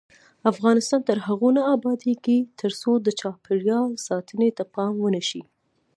افغانستان تر هغو نه ابادیږي، ترڅو د چاپیریال ساتنې ته پام ونشي.